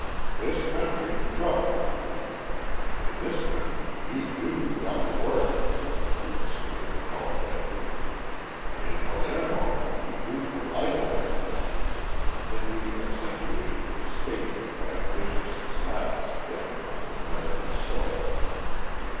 "This country rough country. In this country me do rough a work," he explained apologetically; "in Pal aer mo do polit a work." And he accentuated his statement by a vicious side spit upon the American soil.